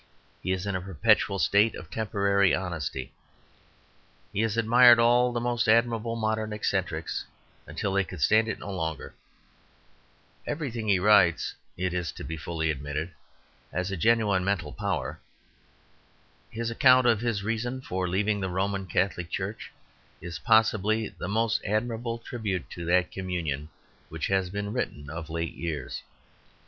He is in a perpetual state of temporary honesty. He has admired all the most admirable modern eccentrics until they could stand it no longer. Everything he writes, it is to be fully admitted, has a genuine mental power. His account of his reason for leaving the Roman Catholic Church is possibly the most admirable tribute to that communion which has been written of late years.